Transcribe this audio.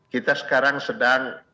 kita sekarang sedang